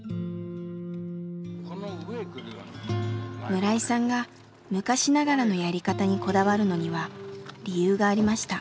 村井さんが昔ながらのやり方にこだわるのには理由がありました。